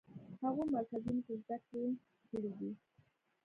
هغو مرکزونو کې زده کړې کړې دي.